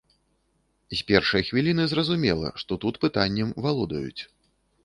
З першай хвіліны зразумела, што тут пытаннем валодаюць.